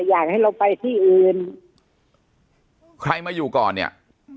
อยากให้เราไปที่อื่นใครมาอยู่ก่อนเนี่ย